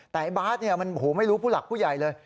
แต่บ้าทเนี่ยมันโอ้โหไม่รู้ผู้หลักผู้ใหญ่เลย